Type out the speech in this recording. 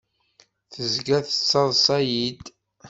Tezga tettaḍṣa-iyi-d.